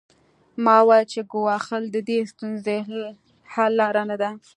ما وویل چې ګواښل د دې ستونزې حل لاره نه ده